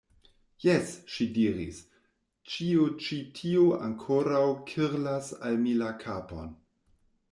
Jes, ŝi diris, ĉio ĉi tio ankoraŭ kirlas al mi la kapon.